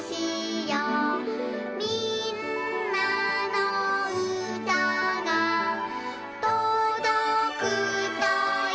「みんなのうたがとどくといいな」